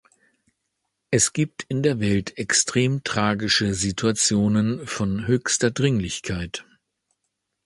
Es gibt in der Welt extrem tragische Situationen von höchster Dringlichkeit.